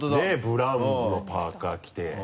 ブラウンズのパーカ着て。